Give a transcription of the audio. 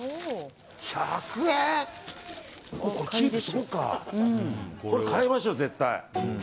１００円？買いましょう、絶対。